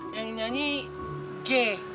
yang nyanyi g